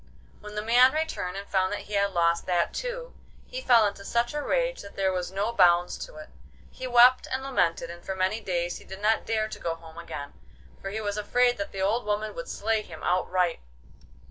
When the man returned and found that he had lost that too, he fell into such a rage that there was no bounds to it. He wept and lamented, and for many days he did not dare to go home again, for he was afraid that the old woman would slay him outright.